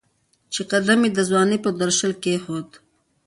چې قدم مې د ځوانۍ په درشل کېښود